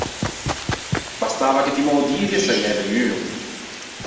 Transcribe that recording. Bastava che ti m’ô divi e saiæ vegnuo.